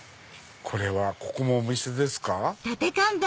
ここもお店ですか？